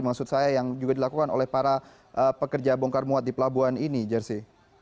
maksud saya yang juga dilakukan oleh para pekerja bongkar muat di pelabuhan ini jersey